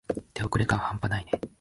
手遅れ感はんぱないね。